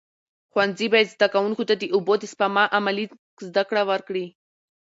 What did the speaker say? ښوونځي باید زده کوونکو ته د اوبو د سپما عملي زده کړه ورکړي.